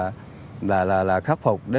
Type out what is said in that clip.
đồng thời là tạo cái việc làm cho người dân